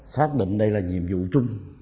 xác định đây là nhiệm vụ chung